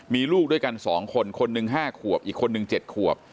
มีลูกด้วยกันสองคนคนหนึ่งห้าขวบอีกคนหนึ่งเจ็ดขวบ